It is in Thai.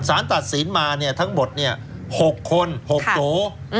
สารตัดสินมาเนี่ยทั้งหมด๖คน๖ตัว